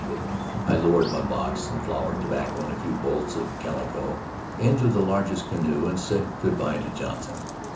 I lowered my box, some flour, tobacco, and a few bolts of calico, into the largest canoe, and said good by to Johnson.